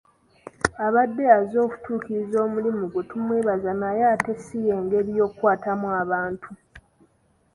Abadde azze okutuukiriza omulimu ggwe tumwebaza naye ate si y'engeri gy'okwatamu abantu.